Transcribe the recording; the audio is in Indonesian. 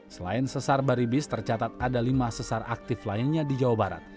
selain sesar baribis tercatat ada lima sesar aktif lainnya di jawa barat